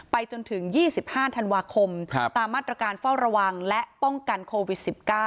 จนถึง๒๕ธันวาคมตามมาตรการเฝ้าระวังและป้องกันโควิด๑๙